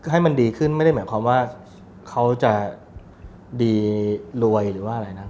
ให้มันดีขึ้นไม่ได้หมายความว่าเขาจะดีรวยหรือว่าอะไรนะ